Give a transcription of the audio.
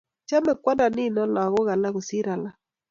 Chamei kwanda nino lagok alak kosir alak